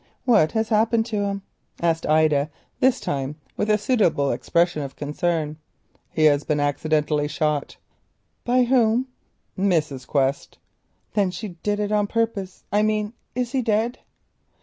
"What has happened to him?" asked Ida, this time with a suitable expression of concern. "He has been accidentally shot." "Who by?" "Mrs. Quest." "Then she did it on purpose—I mean—is he dead?"